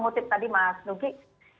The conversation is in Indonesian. jadi apa hasil assessmentnya nanti kita tunggu